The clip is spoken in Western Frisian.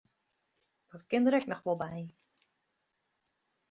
Dat kin der ek noch wol by.